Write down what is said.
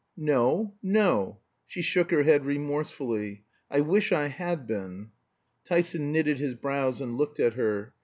"No no." She shook her head remorsefully. "I wish I had been." Tyson knitted his brows and looked at her.